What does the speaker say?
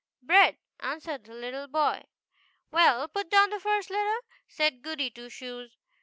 "Bread," answered the little boy. " Well, put down the first letter," said Goody Two Shoes.